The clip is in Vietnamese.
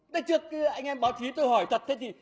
đây trước anh em báo chí tôi hỏi thật thế thì